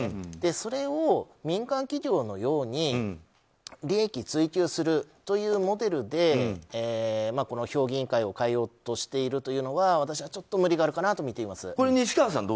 それを民間企業のように利益追求するというモデルでこの評議員会を変えようとしているというのは私はちょっと、無理があるかなとみています。